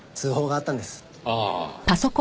ああ。